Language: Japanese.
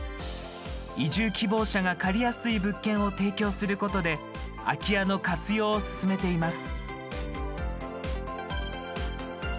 移住希望者が借りやすい物件を提供することで空き家の活用を進めています。